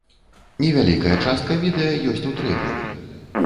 Невялікая частка відэа ёсць у трэйлеры.